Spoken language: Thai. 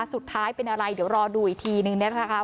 สุดท้ายเป็นอะไรเดี๋ยวรอดูอีกทีนึงเนี่ยนะคะ